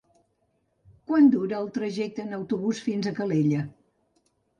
Quant dura el trajecte en autobús fins a Calella?